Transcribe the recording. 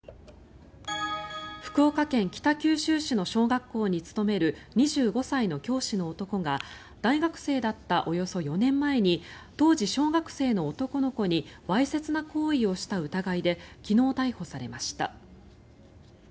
福岡県北九州市の小学校に勤める２５歳の教師の男が大学生だったおよそ４年前に当時小学生の男の子にわいせつな行為をした疑いで昨日、逮捕されました。